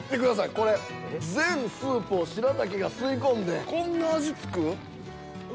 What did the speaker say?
これ全スープをしらたきが吸い込んでこんな味付く？